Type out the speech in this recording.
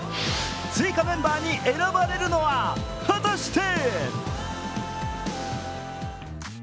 追加メンバーに選ばれるのは果たして。